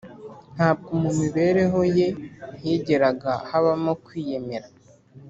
ntabwo mu mibereho ye higeraga habamo kwiyemera